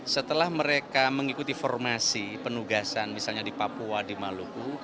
setelah mereka mengikuti formasi penugasan misalnya di papua di maluku